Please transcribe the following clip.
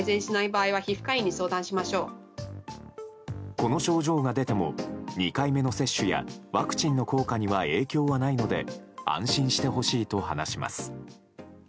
この症状が出ても２回目の接種やワクチンの効果には影響はないので安心してほしいと話します。